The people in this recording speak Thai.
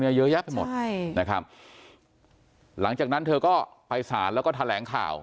เยอะแยะไปหมดใช่นะครับหลังจากนั้นเธอก็ไปสารแล้วก็แถลงข่าว